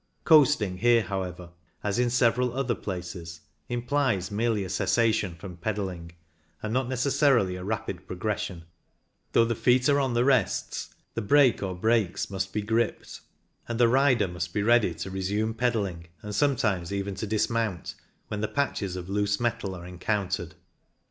Coasting here, however, as in several other places, implies merely a cessation from pedalling, and not necessarily a rapid pro gression ; though the feet are on the rests, the brake or brakes must be gripped, and the rider must be ready to resume pedal ling, and sometimes even to dismount, when the patches of loose metal are en countered.